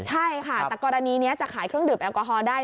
ใช่ค่ะแต่กรณีนี้จะขายเครื่องดื่มแอลกอฮอล์ได้